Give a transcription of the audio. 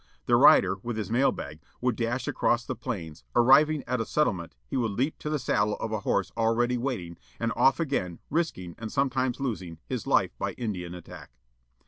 The rider, with his mail bag, would dash across the plains, arriving at a settlement he would leap to the saddle of a horse already waiting, and off again, risking, and sometimes losing, his life by Indian attack.